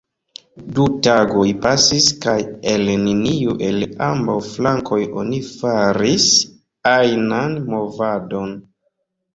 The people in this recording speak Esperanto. Du tagoj pasis kaj el neniu el ambaŭ flankoj oni faris ajnan movadon.